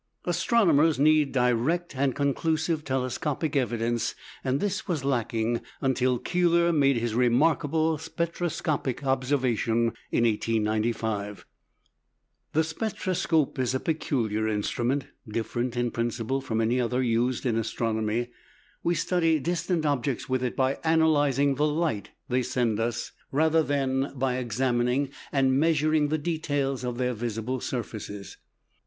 Astronomers need direct and conclusive telescopic evidence, and this was lacking until Keeler made his remarkable spectroscopic observation in 1895. The spectroscope is a peculiar instrument, different in principle from any other used in astronomy; we study distant objects with it by analyzing the light they send us, rather than by examining and measuring the details of their visible surfaces.